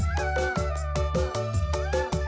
yang lu kau cinta kan